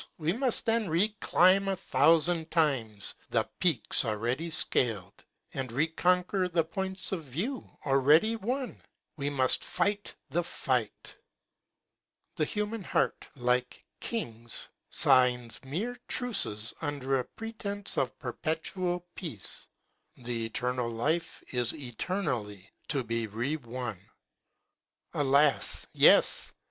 we must then re climb a thousand times the peaks already scaled, and recon quer the points of view already won, — we must fight the fight! The human heart, like kings, signs mere truces under a pre tence of perpetual peace. The eternal life is eternally to be re won. Alas, yes!